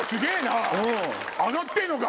上がってんのか？